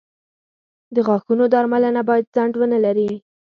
• د غاښونو درملنه باید ځنډ ونه لري.